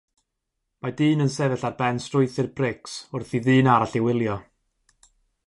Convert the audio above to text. Mae dyn yn sefyll ar ben strwythur brics wrth i ddyn arall ei wylio.